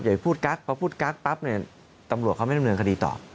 พูดกั๊กพอพูดกั๊กปั๊บเนี่ยตำรวจเขาไม่ดำเนินคดีต่อ